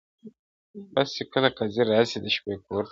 بس چي کله قاضي راسي د شپې کورته-